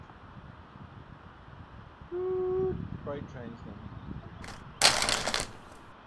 Freight trains never used the bridge.